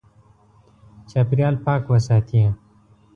چاپېریال پاک وساتې.